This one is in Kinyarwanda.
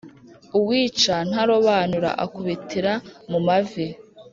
uwica ntarobanura akubitira mu mavi